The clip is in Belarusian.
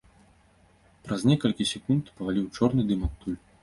І праз некалькі секунд паваліў чорны дым адтуль.